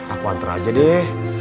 aku antar aja deh